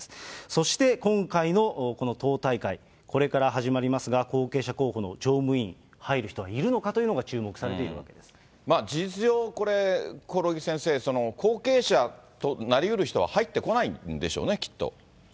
そして今回のこの党大会、これから始まりますが、後継者候補の常務委員入る人はいるのかということが注目されてい事実上これ、興梠先生、後継者となりうる人は入ってこないんでしょうね、きっと。